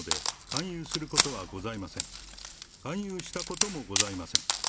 勧誘したこともございません。